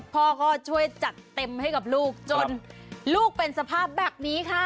พ่อก็ช่วยจัดเต็มให้กับลูกจนลูกเป็นสภาพแบบนี้ค่ะ